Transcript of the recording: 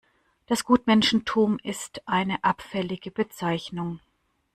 Das Gutmenschentum ist eine abfällige Bezeichnung.